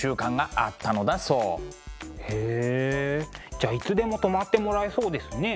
じゃいつでも泊まってもらえそうですね。